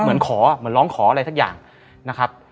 เหมือนขอเหมือนร้องขออะไรสักอย่างนะครับ